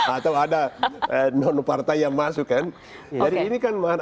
atau ada non partai yang masuk kan